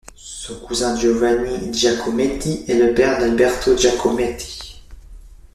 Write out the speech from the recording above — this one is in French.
Son cousin, Giovanni Giacometti, est le père d'Alberto Giacometti.